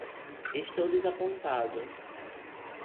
Estou desapontado.